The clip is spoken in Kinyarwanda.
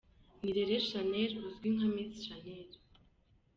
Nirere Shanel uzwi nka Miss Shanel.